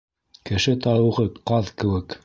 Кеше тауығы ҡаҙ кеүек.